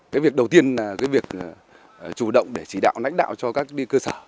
cái việc đầu tiên là cái việc chủ động để chỉ đạo lãnh đạo cho các cơ sở